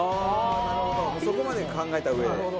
そこまで考えたうえで。